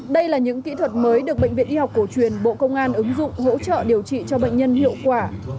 đây là những kỹ thuật mới được bệnh viện y học cổ truyền bộ công an ứng dụng hỗ trợ điều trị cho bệnh nhân hiệu quả